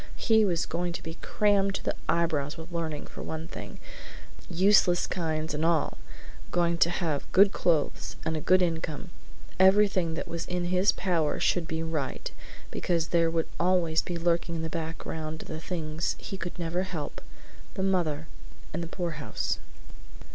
He was going to be crammed to the eyebrows with learning for one thing, useless kinds and all, going to have good clothes, and a good income. Everything that was in his power should be right, because there would always be lurking in the background the things he never could help the mother and the poorhouse.